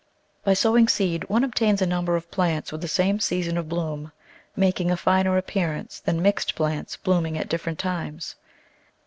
By sowing seed one obtains a number of plants with the same season of bloom, making a finer appearance than mixed plants blooming at different times.